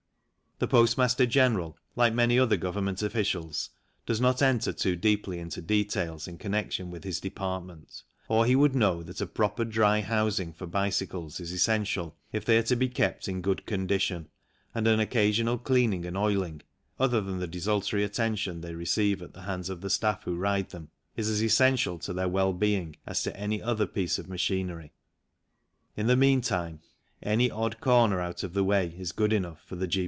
The Postmaster General, like many other Government officials, does not enter too deeply into details in con nection with his department, or he would know that a proper dry housing for bicycles is essential if they are to be kept in good condition, and an occasional cleaning and oiling, other than the desultory attention they receive at the hands of the staff who ride them, is as essential to their well being as to any other piece of machinery. In the meantime, any odd corner out of the way is good enough for the G.